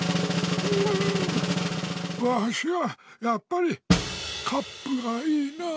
ううんわしはやっぱりカップがいいなあ。